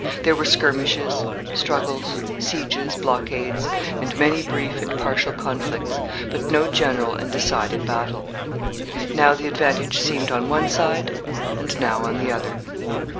There were skirmishes, struggles, sieges, blockades, and many brief and partial conflicts, but no general and decided battle. Now the advantage seemed on one side, and now on the other.